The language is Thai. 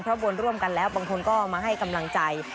เพราะบนร่วมกันแล้วบางคนก็มาให้กำลังใจ